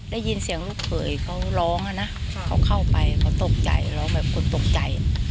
ได้ยินเสียงลูกเขยเขาร้องนะเขาเข้าไปเขาตกใจร้องแบบคนตกใจ